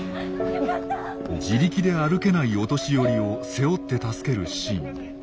自力で歩けないお年寄りを背負って助けるシーン。